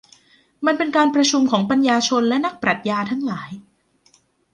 มันเป็นการประชุมของปัญญาชนและนักปรัชญาทั้งหลาย